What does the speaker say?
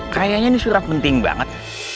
kayaknya ini surat penting banget